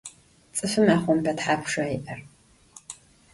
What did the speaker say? Ts'ıfım 'exhombe thapşşa yi'er?